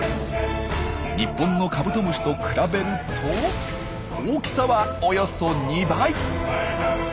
日本のカブトムシと比べると大きさはおよそ２倍！